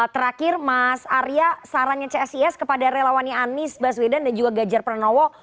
terakhir mas arya sarannya csis kepada relawannya anies baswedan dan juga gajar pranowo